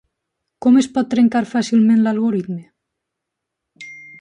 Com es pot trencar fàcilment l'algoritme?